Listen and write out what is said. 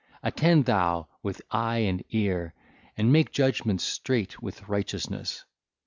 Attend thou with eye and ear, and make judgements straight with righteousness.